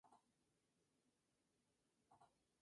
Se encuentra en el nordeste de Bahia de Brasil.